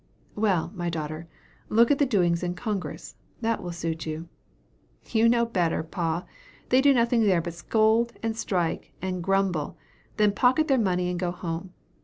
"Well, my daughter, look at the doings in Congress that will suit you." "You know better, pa. They do nothing there but scold, and strike, and grumble then pocket their money, and go home.